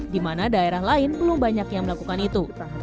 di mana daerah lain belum banyak yang melakukan itu